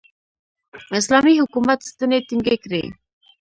اسلامي حکومت ستنې ټینګې کړې.